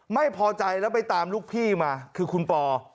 ไม่พอใจแล้วไปตามลูกพี่มาคือคุณปอ